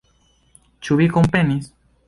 Ĉu vi komprenis?